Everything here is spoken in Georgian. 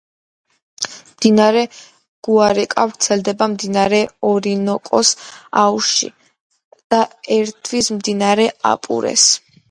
მდინარე გუარიკო ვრცელდება მდინარე ორინოკოს აუზში და ერთვის მდინარე აპურეს.